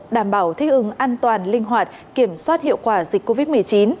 đảm bảo thích ứng an toàn linh hoạt kiểm soát hiệu quả dịch covid một mươi chín